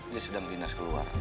dia sedang di klinis keluar